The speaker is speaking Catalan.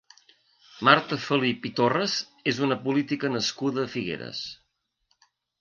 Marta Felip i Torres és una política nascuda a Figueres.